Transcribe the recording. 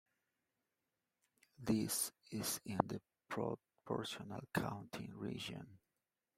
This is in the "proportional counting" region.